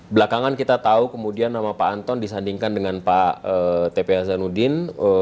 belakangan kita tahu kemudian nama pak anton disandingkan dengan pak t p hazanuddin